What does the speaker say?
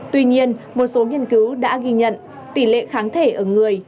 tuy nhiên một số nghiên cứu đã ghi nhận tỷ lệ kháng thể ở người